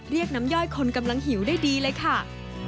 เรียกน้ำย่อยคนกำลังหิวได้ดีเลยค่ะ